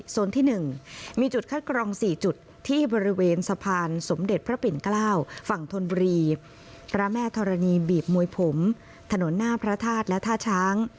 ที่๑มีจุดคัดกรอง๔จุดที่บริเวณสะพานสมเด็จพระปิ่นเกล้าฝั่งธนบุรีพระแม่ธรณีบีบมวยผมถนนหน้าพระธาตุและท่าช้าง